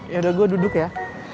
yaudah gua duduk ya